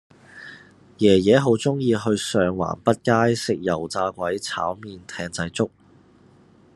爺爺好鍾意去上環畢街食油炸鬼炒麵艇仔粥